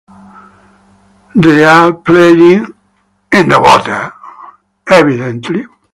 They are playing in the water.